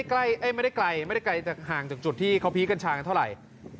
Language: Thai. ก็ไม่ได้ไกลห่างจากจุดที่เขาพริกกันชายกันเท่าไหร่